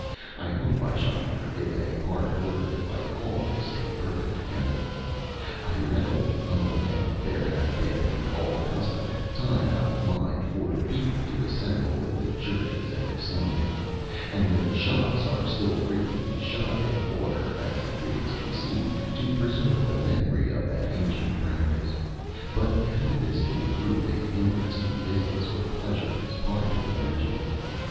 I hope I shall be forgiven a hard word if I call this a perfect cavil. I readily own there hath been an old custom, time out of mind, for people to assemble in the churches every Sunday, and that shops are still frequently shut, in order, as it is conceived, to preserve the memory of that ancient practice; but how this can prove a hindrance to business or pleasure is hard to imagine.